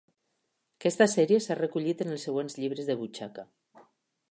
Aquesta sèrie s'ha recollit en els següents llibres de butxaca.